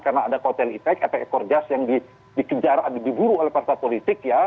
karena ada hotel itek efek ekor jas yang dikejar diburu oleh partai politik ya